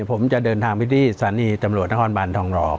ผมจะเดินทางไปที่สถานีตำรวจนครบันทองรอ